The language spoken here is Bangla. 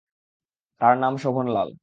তার নাম শোভনলাল।